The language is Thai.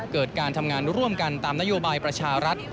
การทำงานร่วมกันตามนโยบายประชารัฐ